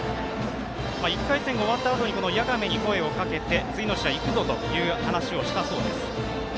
１回戦が終わったあとに谷亀に声をかけて次の試合、いくぞと話をしたそうです。